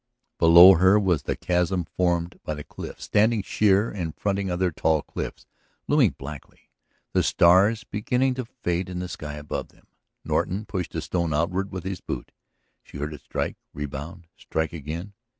Below her was the chasm formed by these cliffs standing sheer and fronting other tall cliffs looming blackly, the stars beginning to fade in the sky above them. Norton pushed a stone outward with his boot; she heard it strike, rebound, strike again